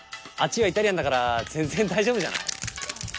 あっちはイタリアンだから全然大丈夫じゃない？